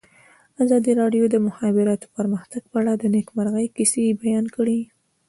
ازادي راډیو د د مخابراتو پرمختګ په اړه د نېکمرغۍ کیسې بیان کړې.